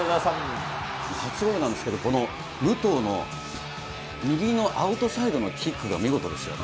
初ゴールなんですけど、武藤の右のアウトサイドのキックが見事ですよね。